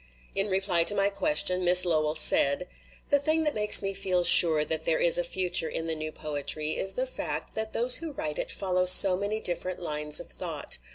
In reply to my question Miss Lowell said: "The thing that makes me feel sure that there is a future in the new poetry is the fact that those who write it follow so many different lines of thought.